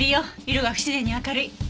色が不自然に明るい。